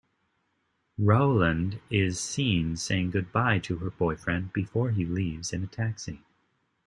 Rowland is seen saying goodbye to her boyfriend before he leaves in a taxi.